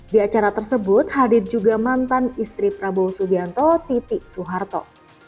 di acara tersebut hadir juga mantan istri prabowo subianto titi soeharto